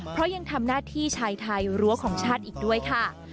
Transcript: เพราะยังทำหน้าที่ชายไทยรั้วของชาติอีกด้วยค่ะ